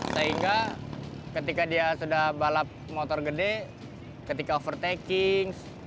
sehingga ketika dia sudah balap motor gede ketika overtaking